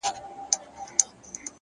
وخت د ژمنو صداقت ښکاره کوي